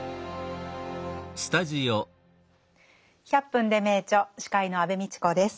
「１００分ｄｅ名著」司会の安部みちこです。